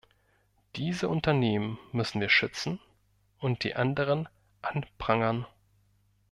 Diese Unternehmen müssen wir schützen und die anderen anprangern.